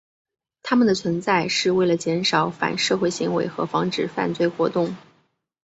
他们的存在是为了减少反社会行为和防止犯罪活动。